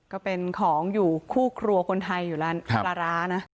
ก็เป็นของอยู่คู่ครัวคนไทยอยู่แล้วปลาร้านะ